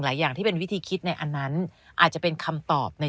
อย่างที่เป็นวิธีคิดในอันนั้นอาจจะเป็นคำตอบใน